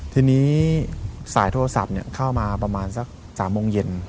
ทีนี้สายโทรศัพท์เข้ามาประมาณสัก๓โมงเย็น